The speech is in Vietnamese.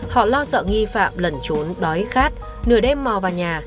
họ lo sợ nghi phạm lẩn trốn đói khát nửa đêm mò vào nhà